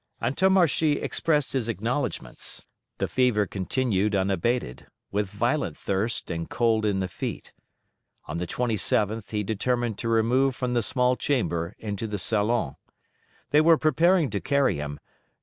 Antommarchi expressed his acknowledgments. The fever continued unabated, with violent thirst and cold in the feet. On the 27th he determined to remove from the small chamber into the salon. They were preparing to carry him.